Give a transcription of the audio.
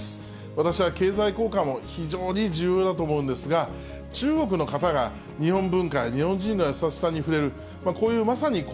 私は経済効果も非常に重要だと思うんですが、中国の方が日本文化や日本人の優しさに触れる、こういうまさに交